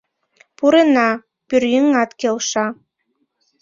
— Пурена, — пӧръеҥат келша.